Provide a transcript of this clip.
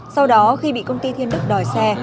sau đó khi bị công ty thiên đức đòi xe